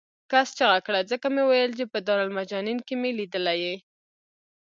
کس چغه کړه ځکه مې وویل چې په دارالمجانین کې مې لیدلی یې.